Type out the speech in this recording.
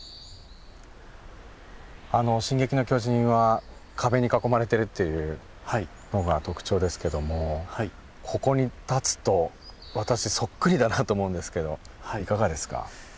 あの「進撃の巨人」は壁に囲まれてるっていうのが特徴ですけどもここに立つと私そっくりだなと思うんですけどいかがですか？